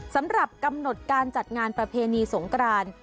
สำหรับกำหนดการจัดงานประเพณีสงกราน